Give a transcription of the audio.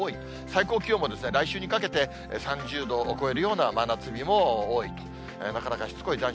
最高気温も来週にかけて、３０度を超えるような真夏日も多いと。